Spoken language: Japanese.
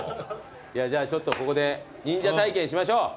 じゃあちょっとここで忍者体験しましょう！